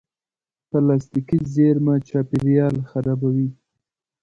پلاستيکي زېرمه چاپېریال خرابوي.